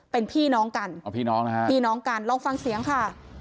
เป็นพี่น้องกันพี่น้องกันลองฟังเสียงค่ะ